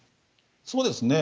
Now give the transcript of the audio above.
そうですね。